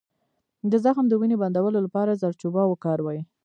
د زخم د وینې بندولو لپاره زردچوبه وکاروئ